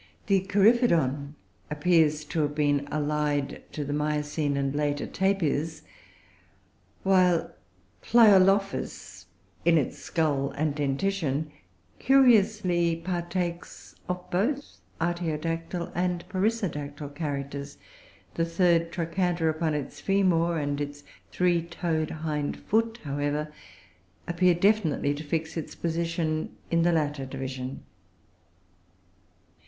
The Coryphodon appears to have been allied to the Miocene and later Tapirs, while Pliolophus, in its skull and dentition, curiously partakes of both artiodactyle and perissodactyle characters; the third trochanter upon its femur, and its three toed hind foot, however, appear definitely to fix its position in the latter division.